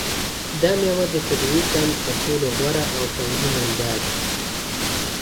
دا مېوه د طبیعي قند تر ټولو غوره او خوندي منبع ده.